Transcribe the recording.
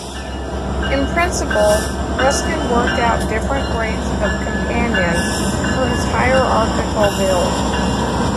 In principle, Ruskin worked out different grades of "Companion" for his hierarchical Guild.